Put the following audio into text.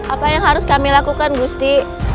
apa yang harus kami lakukan gusti